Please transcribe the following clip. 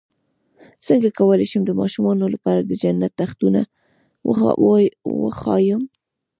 څنګه کولی شم د ماشومانو لپاره د جنت تختونه وښایم